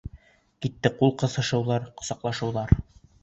Китте ҡул ҡыҫышыуҙар, ҡосаҡлашыуҙар.